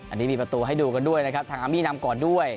อันนี้มีประตูให้ดูกันด้วยนะครับทางอาร์มี่นำก่อนด้วย